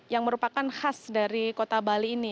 yang merupakan khas dari kota bali ini